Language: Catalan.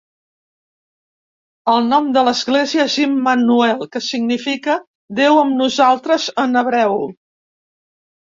El nom de l'església és "Immanuel", que significa "Déu amb nosaltres" en hebreu.